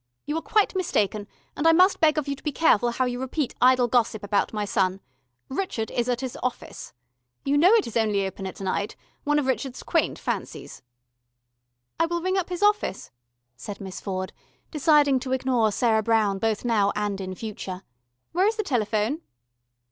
"You are quite mistaken, and I must beg of you to be careful how you repeat idle gossip about my son. Rrchud is at his office. You know it is only open at night one of Rrchud's quaint fancies." "I will ring up his office," said Miss Ford, deciding to ignore Sarah Brown both now and in future. "Where is the telephone?"